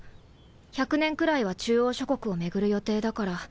１００年くらいは中央諸国を巡る予定だから。